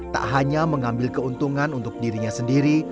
tak hanya mengambil keuntungan untuk dirinya sendiri